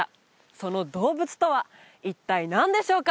その動物とは一体何でしょうか？